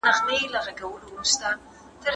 زه پرون سبا ته فکر کوم!